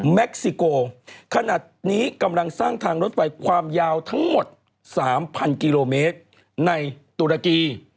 ซิโกขนาดนี้กำลังสร้างทางรถไฟความยาวทั้งหมด๓๐๐กิโลเมตรในตุรกี